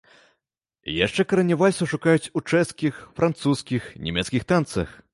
Яшчэ карані вальсу шукаюць у чэшскіх, французскіх, нямецкіх танцах.